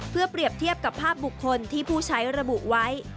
เพื่อเปรียบเทียบกับภาพบุคคลที่ผู้ใช้ระบุไว้